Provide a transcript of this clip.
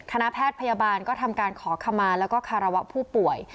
คณะแพทย์พยาบาลก็ทำการขอขมาแล้วก็คารวะผู้ป่วย